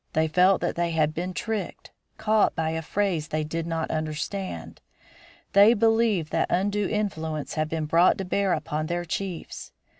They felt that they had been tricked, caught by a phrase they did not understand. They believed that undue influence had been brought to bear upon their chiefs.